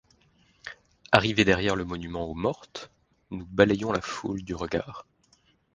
Arrivées derrière le monument aux mortes, nous balayons la foule du regard.